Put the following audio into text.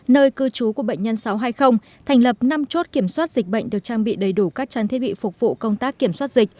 nơi cư trú của bệnh nhân sáu trăm hai mươi thành lập năm chốt kiểm soát dịch bệnh được trang bị đầy đủ các trang thiết bị phục vụ công tác kiểm soát dịch